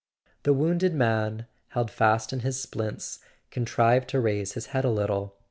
The wounded man, held fast in his splints, contrived to raise his head a little.